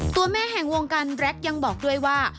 ตัวแม่แห่งวงการแร็กยังบอกด้วยว่า